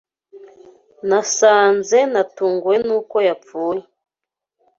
Nasanze natunguwe nuko yapfuye.